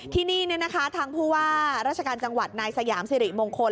ที่นี่ทางผู้ว่าราชการจังหวัดนายสยามสิริมงคล